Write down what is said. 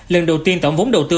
lần đầu tiên tổng vốn đầu tư